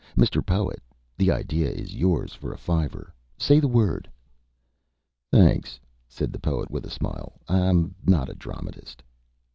Mr. Poet, the idea is yours for a fiver. Say the word." "Thanks," said the Poet, with a smile; "I'm not a dramatist."